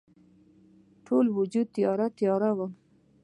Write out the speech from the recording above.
ټول وجود تیاره، تیاره وم